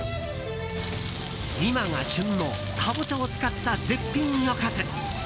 今が旬のカボチャを使った絶品おかず。